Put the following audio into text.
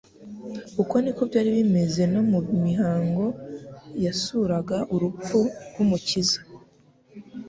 Uko niko byari bimeze no mu mihango yasuraga urupfu rw'Umukiza.